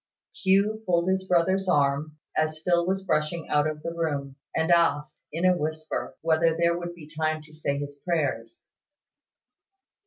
Hugh pulled his brother's arm, as Phil was brushing out of the room, and asked, in a whisper, whether there would be time to say his prayers.